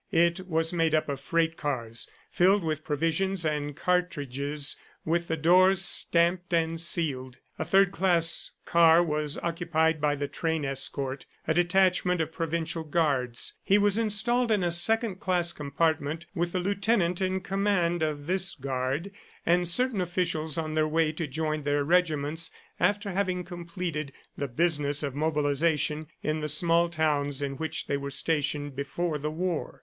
It was made up of freight cars filled with provisions and cartridges, with the doors stamped and sealed. A third class car was occupied by the train escort, a detachment of provincial guards. He was installed in a second class compartment with the lieutenant in command of this guard and certain officials on their way to join their regiments after having completed the business of mobilization in the small towns in which they were stationed before the war.